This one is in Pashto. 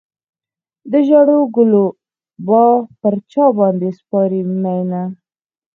د ژړو ګلو باغ پر چا باندې سپارې مینه.